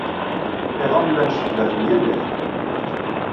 Iḍan llan sseglafen yal iḍ.